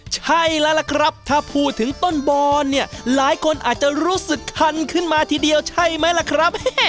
ใช่แล้วล่ะครับถ้าพูดถึงต้นบอนเนี่ยหลายคนอาจจะรู้สึกคันขึ้นมาทีเดียวใช่ไหมล่ะครับ